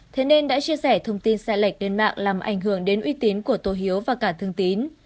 thế nên đã chia sẻ thông tin sai lệch lên mạng làm ảnh hưởng đến uy tín của tô hiếu và cả thương tín